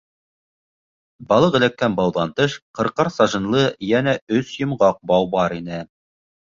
Балыҡ эләккән бауҙан тыш, ҡырҡар сажинлы йәнә өс йомғаҡ бау бар ине.